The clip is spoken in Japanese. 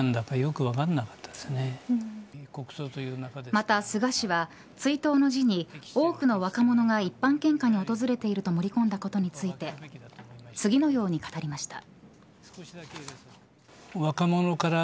また、菅氏は追悼の辞に多くの若者が一般献花に訪れていると盛り込んだことについて次のように語りました。